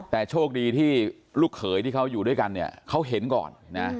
แต่โชคดีที่ลูกเขยที่เขาอยู่ด้วยกันเนี่ยเขาเห็นก่อนนะ